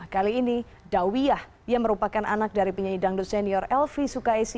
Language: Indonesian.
kali ini dawiyah yang merupakan anak dari penyanyi dangdut senior elvi sukaisi